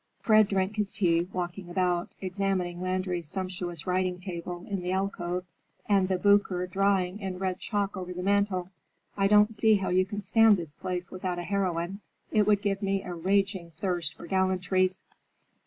Fred drank his tea walking about, examining Landry's sumptuous writing table in the alcove and the Boucher drawing in red chalk over the mantel. "I don't see how you can stand this place without a heroine. It would give me a raging thirst for gallantries."